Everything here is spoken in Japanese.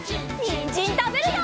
にんじんたべるよ！